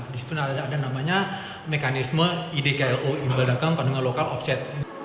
di situ ada namanya mekanisme idklo imbal dagang kandungan lokal offset